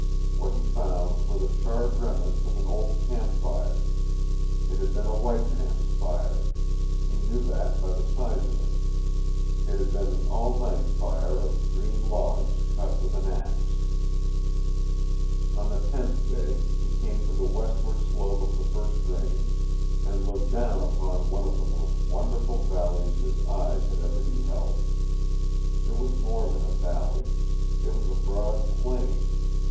What he found were the charred remnants of an old camp fire. It had been a white man's fire. He knew that by the size of it. It had been an all night fire of green logs cut with an axe. On the tenth day he came to the westward slope of the first range and looked down upon one of the most wonderful valleys his eyes had ever beheld. It was more than a valley. It was a broad plain.